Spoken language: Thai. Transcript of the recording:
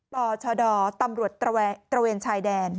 ชดตำรวจตระเวนชายแดน